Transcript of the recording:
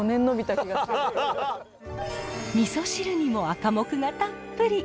みそ汁にもアカモクがたっぷり。